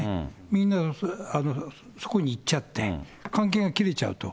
みんながそこに行っちゃって、関係が切れちゃうと。